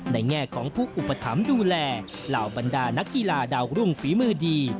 แง่ของผู้อุปถัมภ์ดูแลเหล่าบรรดานักกีฬาดาวรุ่งฝีมือดี